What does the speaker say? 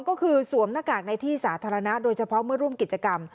ก็คือสวมหน้ากากในที่สาธารณะโดยเฉพาะเมื่อร่วมกิจกรรม